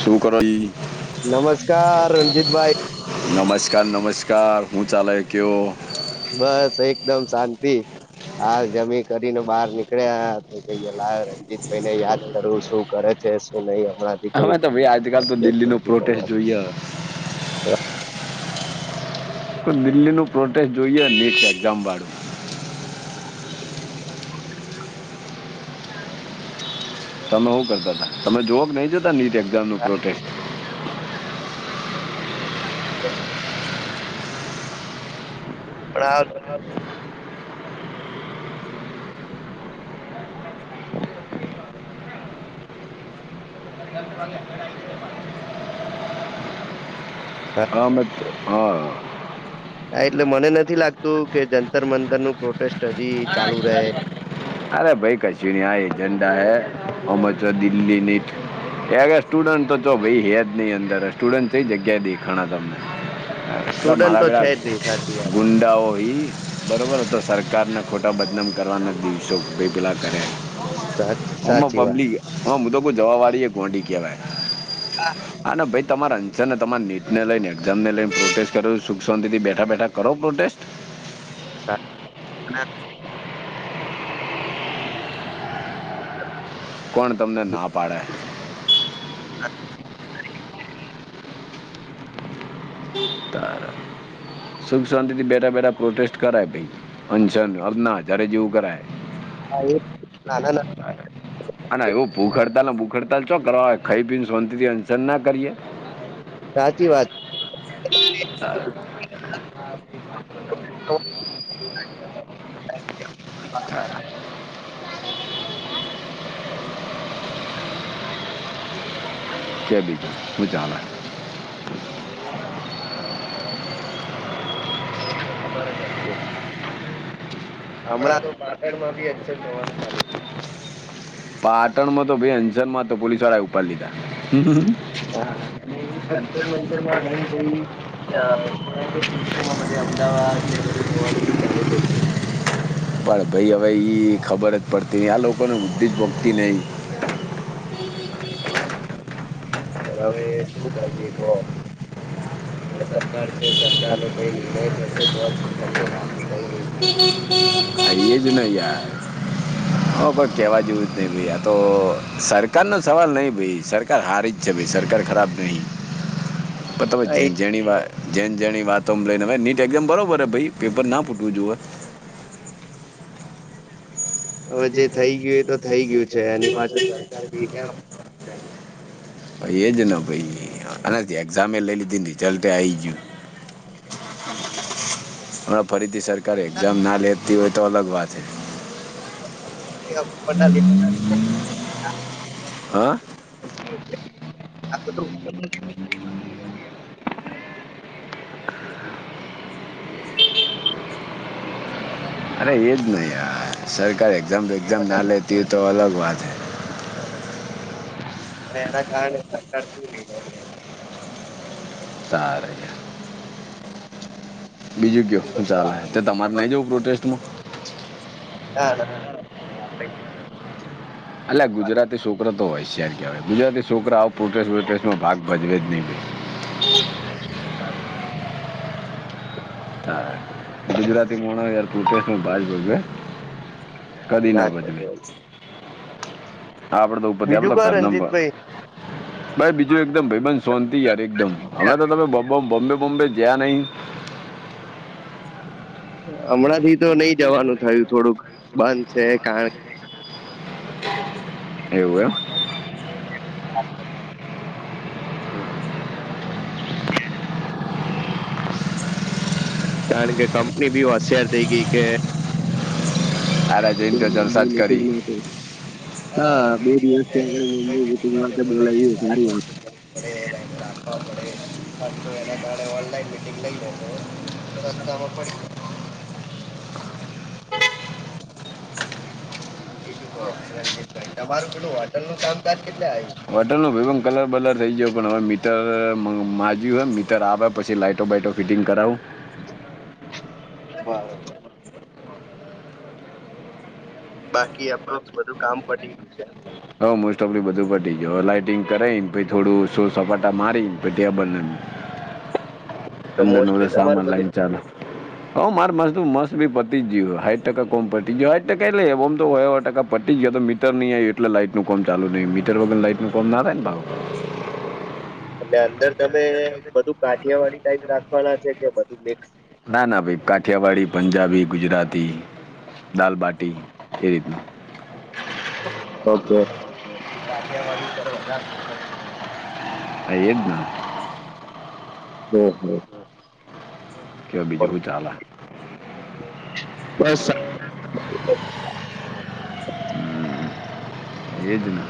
શું કરો ઈ? નમસ્કાર રણજીતભાઈ. નમસ્કાર નમસ્કાર હું ચાલે હે કયો? બસ, એકદમ શાંતિ. હા જમી કરીને બહાર નીકળ્યા [unintelligible] કઈ લાવ રણજીતભાઈ ને યાદ કરૂ શું કરે છે શું નઈ હમણાં અમે તો ભાઈ આજકાલ તો દિલ્હીનો પ્રોટેસ્ટ જોઈએ. દિલ્હીનું પ્રોટેસ્ટ જોઈએ નીટની એક્ઝામ વાળું [unintelligible] તમે શું કરતા હતાા તમે જોવો કે નહી જોતા નીટ એક્ઝામનું પ્રોટેસ્ટ પણ આ [unintelligible] હા, આ અમે હા હા એટલે મને નથી લાગતું કે જંતર મંતરનું પ્રોટેસ્ટ હજી ચાલુ રહે. અરે ભાઈ કશું નઈ આ એજન્ડા હે ઓમો ચો દિલ્હીની ક્યાં ગયા સ્ટુડન્ટ તો ભાઈ હે જ નહી અંદર સ્ટુડન્ટ કઈ જગ્યાએ દેખણા તમને. સ્ટુડન્ટ તમારા તો છે પેલા જ નહી સાચી વાત ગુંડાઓ ઈ બરોબર હતો સરકારના ખોટા બદનામ કરવાના દિવસો સા ઓમો સાચી વાત પબ્લીિક હા મુ તો કઉ જવા વાળીએ ગોડી કેવાય આને ભાઈ તમારા [unintelligible] તમારા નીટને લઈને એક્ઝામ ને લઈને પ્રોટેસ્ટ કરો સુખ શાંતિથી બેઠા બેઠા કરો પ્રોટેસ્ટ. [unintelligible] કોણ તમને ના પાડે હે તાર. [unintelligible] સુખ શાંતિ થી બેઠા બેઠા પ્રોટેસ્ટ કરાય ભઈ અનશન અન્ના હજારે જેવું કરાય. હા એ નાના નથી. અને એવું ભૂખડતાલ ને બુખહડતાલ ચો કરીએ ખાઈ પી ને શોનતી થી અનસન ના કરીએ. સાચી વાત [unintelligible] હ [unintelligible] [unintelligible] કે બીજું હું ચાલે હ [unintelligible] હમણાં તો પાટણમાં ભી અ [unintelligible] પાટણ માં હવે તો બે અંજન માં તો પોલીસ વાળાએ ઉપર લીધા [unintelligible] અમદાવાદ [inaudible] [inaudible] પણ ભઈ હવે એ ખબર જ પડતી આ લોકોને બુદ્ધિ જ ભોગતી નહીં હવે શું કરીએ તો- [unintelligible] તયે જ નહી યાર હ, પણ કેવા જેવું જ નહી ભાઈ આ તો સરકાર નો સવાલ નઈ ભાઈ સર કાર હારી જ છે ભાઈ સરકાર ખરાબ નહીં પણ તમે હા, જે એ જેની વાત જેન જેની વાતો લઈને નીટ એઝામ બરોબર હેાઈ પેપર ના ફૂટવું જોએ [unintelligible] હવે જે થઈ ગયું એ તો થઈ ગયું છે એની પાછળ એજ ના ભાઈ આનાથી એક્ઝમે લઈ લીધી રિઝલ્ટ આ આઈ ગયું. હા, ફરીથી સરકારે એક્ઝામ ના લેતી હોય તો અલગ વાત છે. આપણને હા. આ બધું અરે એજ ને યાર સરકાર એક્ઝામ બેક્ઝામ ના લેતી હોય તો અલગ વાત હૈ. એના કારણે સરકાર શું લેય છે. સારે છે. બીજું કયો ના ચાલે ત તમારે નઈ જઉું પ્રોટેસ્ટમાં. [inaudible] ના ન અલ્યા આ ગુજરાતી છોકરા તો હોય શયાર કહેવાય ગુજરાતી છોકરા આવ પ્રોટે વોટેસ્ટમાં ભાગ ભજવે જ નહીં. હા, ગુજરાતી મોણસ યાર પ્રોટેસ્ટ ભાજ ભજવે. કદી ના તો ભજવે જ. આપણે તો ઉપરથી બીજું આપણે તો કો ઘરના પણ રંજીતભાઈ. ભાઈ બીજું એકદમ ભાઈબંધ સોંતી યાર એકદમ હમણાં તો તમે બોમ્બે બોમ્બે જયા નહી અમણાંથી તો નહી જવાનું થયું થોડુંક બંધ છે કારણ એવું એમ. [inaudible] કારણ કે કંપની બી હોશિયાર થઇ ગઈ કે આરા જૈન તો જળસાજ કરી હા બે દિવસ થી આગળ મુંબઈ મિટંગ માટે બોલાય સારી વાત છે. [inaudible] [unintelligible] [unintelligible] તમારું પેલું હોટલનું કામકાજ કે હોટલનો બધુય કલર બલર થઇ જયો પણ હવે મીટર.. માંજ્યું હ મીટર આવે પછી લાઈટો બાઇટો ફિટિંગ કરાવું. બરોબર. બરાબર બાકી અપ્રોક્સ બધું કામ પતી ગયું છે એમને. હ મોસ્ટ ઓફલી બધું પટી ગ્યુ. હવે લાઈટિંગ કરાઈને પહી થોડું સોસપાટા મારીને પહી ટેબલને તો મોસ્ટલી તમારું બધું હ મારે મસ્ત મસ્તબી પતી જ જ્યું હ હાઇઠ ટકા કોમ પતી જ્યું. હાઇઠ ટકા એટલે ઓમ તો હો એ હો ટકા પતી જ્યુ એ તો મિ ટર નહી આયુ એટલે લાઈટનું કોમ ચાલુ નહી મીટર વગર લાઈટનું કોમ ના થાય ને પાહુ. એટલે અંદર તમે.. બધું કાઠિયાવાડી ટાઈપ રાખવાના છે કે બધું મિક્સ? ના ના ભઈ. કાઠિયાવાડી, પંજાબી, ગુજરાતી, દાલબાટી એ રીતનું ઓકે. હા એજ ન. [unintelligible] ક્યો બીજું હું ચાલે? બસ હમ્મ એજ ને